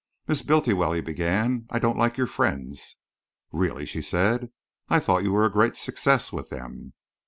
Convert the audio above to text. "Miss Bultiwell," he began, "I don't like your friends." "Really?" she said. "I thought you were a great success with them."